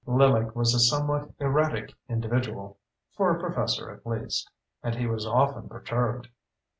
Lillick was a somewhat erratic individual (for a professor, at least) and he was often perturbed.